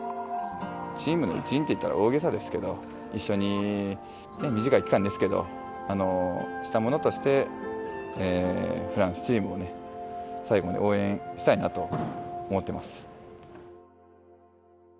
チームの一員と言ったら大げさですけど、一緒に短い期間ですけど、したものとして、フランスチームを最後まで応援したいなと思ってます。